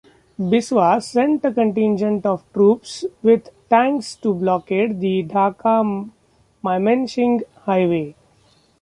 Biswas sent a contingent of troops with tanks to blockade the Dhaka-Mymenshing highway.